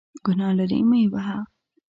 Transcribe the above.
ګناه لري ، مه یې وهه !